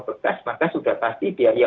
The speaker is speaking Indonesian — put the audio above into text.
bekas maka sudah pasti biaya